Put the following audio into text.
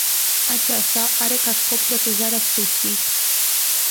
Aceasta are ca scop protejarea speciei.